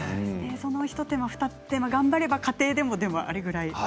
その一手間ふた手間頑張れば、家庭でもあれくらい。